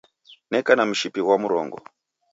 Neka na mshipi ghwa mrongo